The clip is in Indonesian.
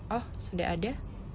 oh sudah ada